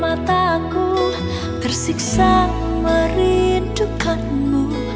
tata aku tersiksa merindukanmu